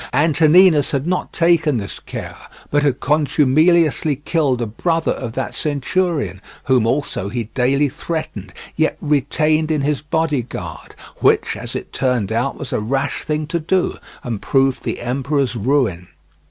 Antoninus had not taken this care, but had contumeliously killed a brother of that centurion, whom also he daily threatened, yet retained in his bodyguard; which, as it turned out, was a rash thing to do, and proved the emperor's ruin.